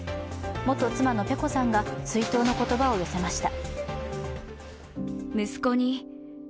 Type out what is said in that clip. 元妻のｐｅｃｏさんが追悼の言葉を寄せました。